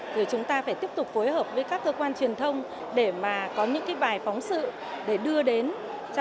rồi chúng ta phải tiếp tục phối hợp với các cơ quan truyền thông để mà có những bài phóng sự để đưa đến cho xã hội